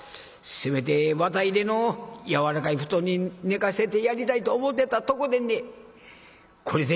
せめて綿入りの柔らかい布団に寝かせてやりたいと思うてたとこでんねや。